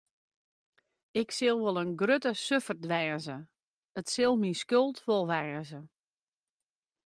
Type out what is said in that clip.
Ik sil wol in grutte suffert wêze, it sil myn skuld wol wêze.